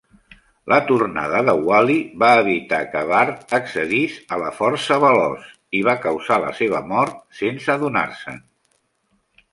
La tornada de Wally va evitar que Bart accedís a la força veloç, i va causar la seva mort sense adonar-se'n.